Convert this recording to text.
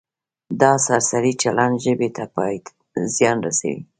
دا سرسري چلند ژبې ته زیان رسوي.